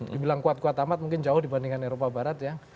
dibilang kuat kuat amat mungkin jauh dibandingkan eropa barat ya